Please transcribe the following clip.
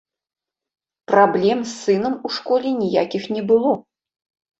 Праблем з сынам у школе ніякіх не было.